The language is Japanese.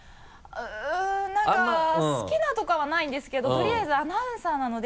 うんなんか好きなとかはないんですけどとりあえずアナウンサーなので。